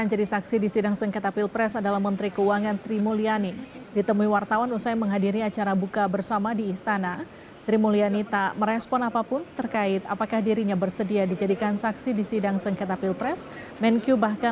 ada keputusan dari mkmk